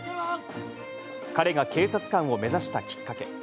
彼が警察官を目指したきっかけ。